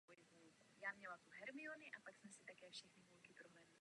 Sterilní a fertilní listy jsou tvarově shodné nebo slabě až silně rozdílné.